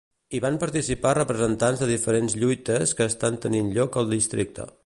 Hi van participar representants de diferents lluites que estan tenint lloc al districte.